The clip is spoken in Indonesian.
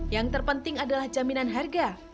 yang terpenting adalah jaminan harga